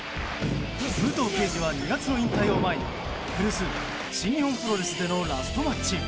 武藤敬司は２月の引退を前に古巣・新日本プロレスでのラストマッチ。